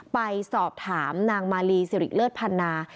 ไปสอบถามนางมาลีศิริกริษฐ์เลิศพันนา